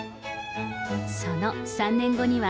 その３年後には、